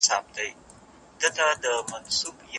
مشوره د ښوونکي لخوا ورکړل شوه.